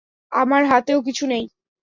আমার হাতেও কিছু নেই।